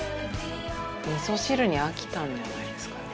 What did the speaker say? みそ汁に飽きたんじゃないですかね。